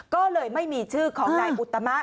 ก็เลยไม่มีชื่อของนายอุตมะ